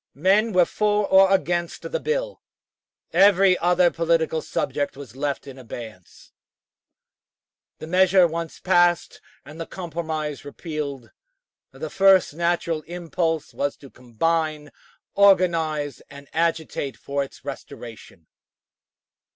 Men were for or against the bill every other political subject was left in abeyance. The measure once passed, and the Compromise repealed, the first natural impulse was to combine, organize, and agitate for its restoration.